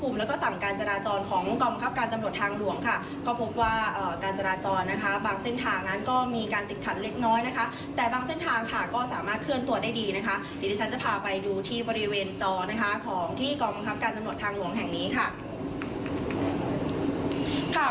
ประจำต่อนะคะของที่กรมกรับการตำรวจทางหลวงแห่งนี้ค่ะ